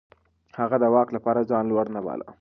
هغه د واک لپاره ځان لوړ نه باله.